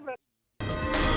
dibes kan selesai pak